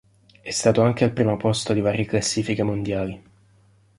È stato anche al primo posto di varie classifiche mondiali.